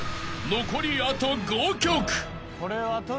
残りあと５曲］